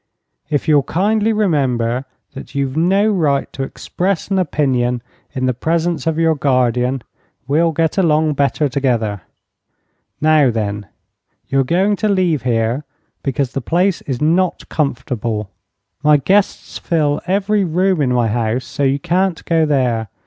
If you'll kindly remember that you've no right to express an opinion in the presence of your guardian, we'll get along better together. Now, then, you're going to leave here, because the place is not comfortable. My guests fill every room in my house, so you can't go there.